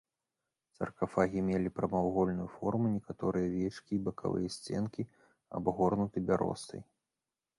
Саркафагі мелі прамавугольную форму, некаторыя вечкі і бакавыя сценкі абгорнуты бяростай.